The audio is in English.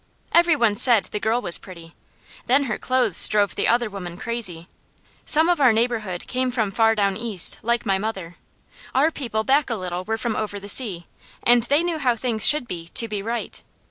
Every one said the girl was pretty. Then her clothes drove the other women crazy. Some of our neighbourhood came from far down east, like my mother. Our people back a little were from over the sea, and they knew how things should be, to be right.